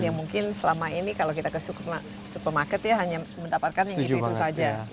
yang mungkin selama ini kalau kita ke supermarket ya hanya mendapatkan yang itu itu saja